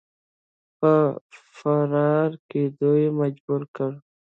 په فرار کېدلو یې مجبور کړ.